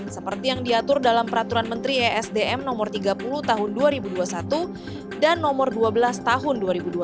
seperti yang diatur dalam peraturan menteri esdm nomor tiga puluh tahun dua ribu dua puluh satu dan nomor dua belas tahun dua ribu dua puluh